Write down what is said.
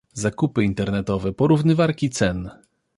Zakupy internetowe, porównywarki cen.